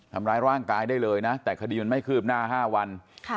ทำร้ายร่างกายได้เลยนะแต่คดีมันไม่คืบหน้า๕วัน